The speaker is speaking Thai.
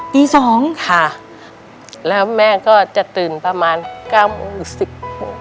ตี๒ค่ะแล้วแม่ก็จะตื่นประมาณ๙นึง๑๐นึง